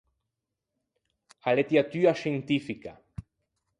A lettiatua scientifica.